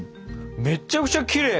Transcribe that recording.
めちゃくちゃきれい！